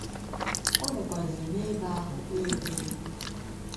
Ọ nọkwazịrị n'ebe ahụ kpee ekpere